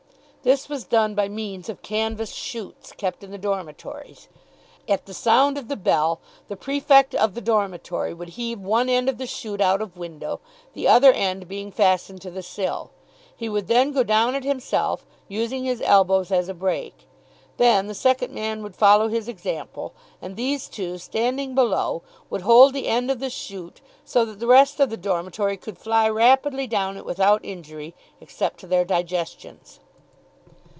This was done by means of canvas shoots, kept in the dormitories. At the sound of the bell the prefect of the dormitory would heave one end of the shoot out of window, the other end being fastened to the sill. He would then go down it himself, using his elbows as a brake. Then the second man would follow his example, and these two, standing below, would hold the end of the shoot so that the rest of the dormitory could fly rapidly down it without injury, except to their digestions.